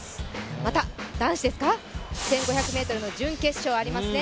また男子１５００ｍの準決勝ありますね